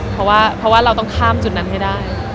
เพราะว่าเราต้องข้ามจุดนั้นให้ได้